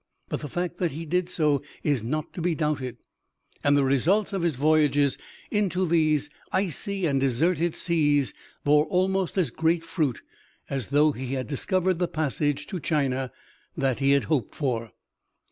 But the fact that he did so is not to be doubted, and the results of his voyages into those icy and deserted seas bore almost as great fruit as though he had discovered the passage to China that he hoped for.